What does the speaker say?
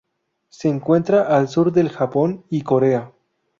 Se encuentra al sur del Japón y Corea.